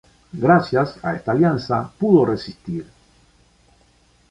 Gracias a esta alianza pudo resistir.